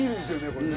これね。